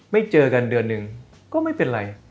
เจอกันเดือนหนึ่งก็ไม่เป็นไร